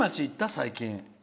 最近。